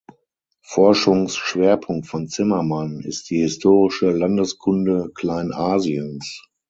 Forschungsschwerpunkt von Zimmermann ist die historische Landeskunde Kleinasiens.